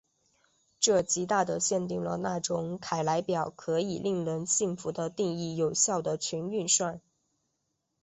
这极大的限定了那种凯莱表可以令人信服的定义有效的群运算。